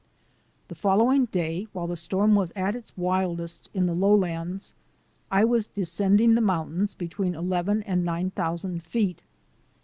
The following day, while the storm was at its wildest in the lowlands, I was descending the mountains between eleven and nine thousand feet.